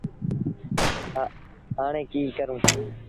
هآي ڪيٚ ڪرون۔